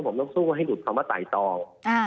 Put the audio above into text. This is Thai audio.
ผมต้องสู้ให้หลุดคำว่าไต่ตอง